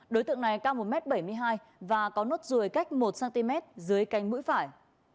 đối tượng này cao một m bảy mươi hai và có nốt ruồi cách một cm dưới canh mũi phải